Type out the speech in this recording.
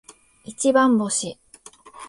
一番星